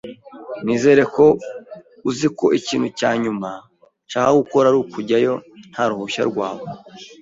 Nizere ko uzi ko ikintu cya nyuma nshaka gukora ari ukujyayo nta ruhushya rwawe.